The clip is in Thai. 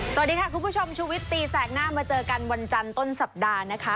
สวัสดีค่ะคุณผู้ชมชุวิตตีแสกหน้ามาเจอกันวันจันทร์ต้นสัปดาห์นะคะ